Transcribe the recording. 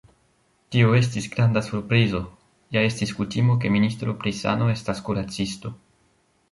Tio estis granda surprizo, ja estis kutimo, ke ministro pri sano estas kuracisto.